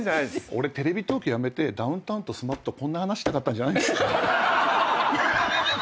俺テレビ東京辞めてダウンタウンとＳＭＡＰとこんな話したかったんじゃない。